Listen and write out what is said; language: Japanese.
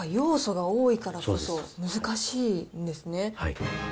そうか、要素が多いからこそ難しいんですね。